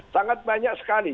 sangat banyak sekali